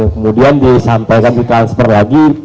kemudian disampaikan di transfer lagi